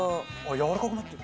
やわらかくなってる。